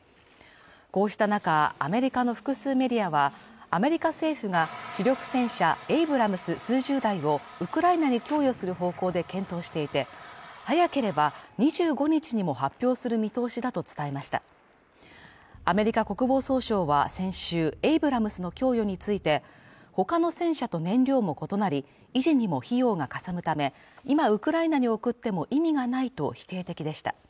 こうした中アメリカの複数メディアはアメリカ政府が主力戦車エイブラムス数十台をウクライナに供与する方向で検討していて早ければ２５日にも発表する見通しだと伝えましたアメリカ国防総省は先週エイブラムスの供与についてほかの戦車と燃料も異なり維持にも費用がかさむため今ウクライナに送っても意味がないと否定的でした